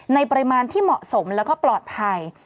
ในปริมาณที่เหมาะสมแล้วก็ปลอดภัย